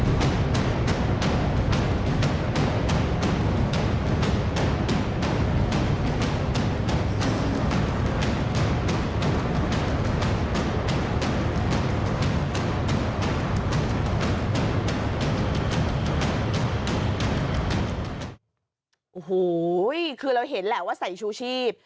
โอ้โหคือเราเห็นแหละว่าใส่ชูชีพ